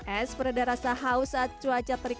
es peredah rasa haus saat cuaca terik